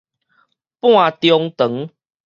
半中段